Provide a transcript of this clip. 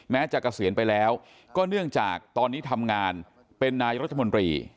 แม้จะเกษียณไปแล้วก็เนื่องจากตอนนี้ทำงานเป็นนายรัฐมนตรี